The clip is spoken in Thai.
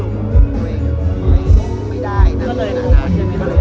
อเรนนี่มากันนาน